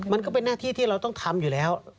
มันก็เป็นหน้าที่ที่เราต้องทำอยู่แล้ว